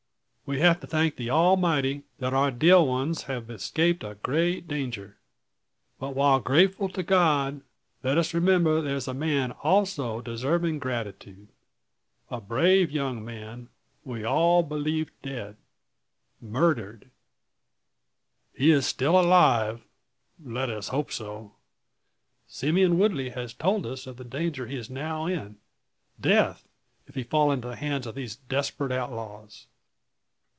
We have to thank the Almighty that our dear ones have escaped a great danger. But while grateful to God, let us remember there is a man also deserving gratitude. A brave young man, we all believed dead murdered. He is still alive, let us hope so. Simeon Woodley has told us of the danger he is now in death if he fall into the hands of these desperate outlaws.